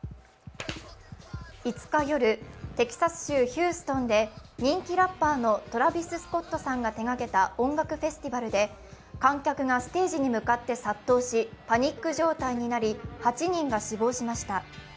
５日夜、テキサス州ヒューストンで人気ラッパーのトラビス・スコットさんが手がけた音楽フェスティバルで観客がステージに向かって殺到しパニック状態になり、８人が死亡しました。